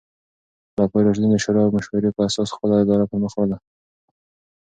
خلفای راشدین د شورا او مشورې په اساس خپله اداره پر مخ وړله.